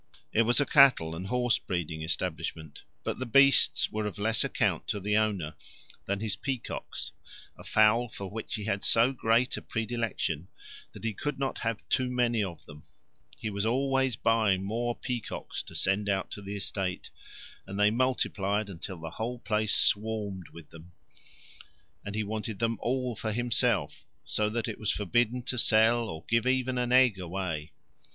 It was a cattle and horse breeding establishment, but the beasts were of less account to the owner than his peacocks, a fowl for which he had so great a predilection that he could not have too many of them; he was always buying more peacocks to send out to the estate, and they multiplied until the whole place swarmed with them. And he wanted them all for himself, so that it was forbidden to sell or give even an egg away.